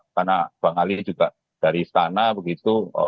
karena bang ali juga dari istana begitu